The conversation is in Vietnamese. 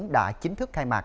đã chính thức khai mạc